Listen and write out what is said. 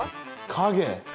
影。